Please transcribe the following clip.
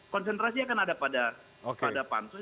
konsentrasi akan ada pada pansus